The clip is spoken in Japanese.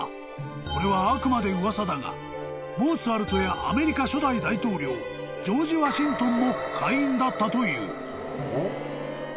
［これはあくまで噂だがモーツァルトやアメリカ初代大統領ジョージ・ワシントンも会員だったという］